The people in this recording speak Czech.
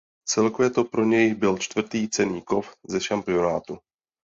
Celkově to pro něj byl čtvrtý cenný kov ze šampionátů.